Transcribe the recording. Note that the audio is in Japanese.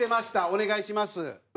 お願いします。